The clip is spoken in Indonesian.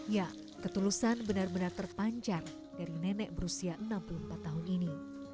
ya ketulusan benar benar terpancar dari nenek berusia enam puluh empat tahun ini